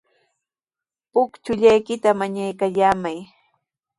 Punchullaykita mañaykallamay.